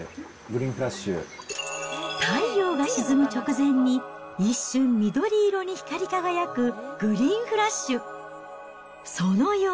グリ太陽が沈む直前に一瞬、緑色に光り輝くグリーンフラッシュ。